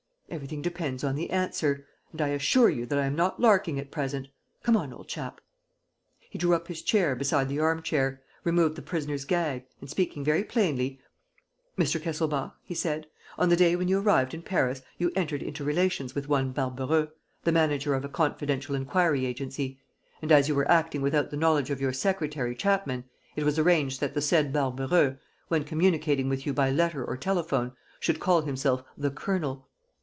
Everything depends on the answer. And I assure you that I'm not larking at present. Come on, old chap!" He drew up his chair beside the arm chair, removed the prisoner's gag and, speaking very plainly: "Mr. Kesselbach," he said, "on the day when you arrived in Paris you entered into relations with one Barbareux, the manager of a confidential inquiry agency; and, as you were acting without the knowledge of your secretary, Chapman, it was arranged that the said Barbareux, when communicating with you by letter or telephone, should call himself 'the Colonel.'